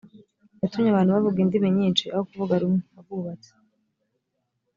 yatumye abantu bavuga indimi nyinshi aho kuvuga rumwe abubatsi